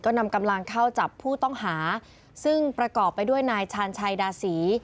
นำกำลังเข้าจับผู้ต้องหาซึ่งประกอบไปด้วยนายชาญชัยดาศรี